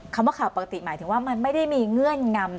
คำว่าข่าวปกติหมายถึงว่ามันไม่ได้มีเงื่อนงำ